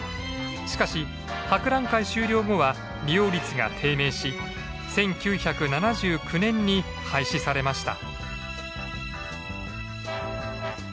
しかし博覧会終了後は利用率が低迷し１９７９年に廃止されました。